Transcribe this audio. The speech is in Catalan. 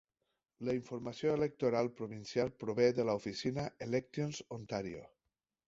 La informació electoral provincial prové de la oficina Elections Ontario.